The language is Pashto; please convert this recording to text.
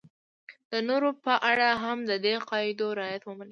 د نورو په اړه هم د دې قاعدو رعایت ومني.